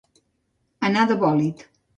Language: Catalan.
Anar de bòlit.